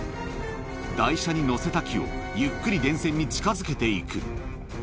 台車に載せた木を、ゆっくり電線に近づけていく。